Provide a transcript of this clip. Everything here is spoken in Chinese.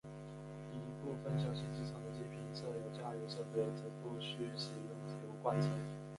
一部份小型机场的机坪设有加油设备则不需使用油罐车。